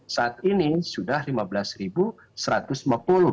saat ini sudah rp lima belas satu ratus lima puluh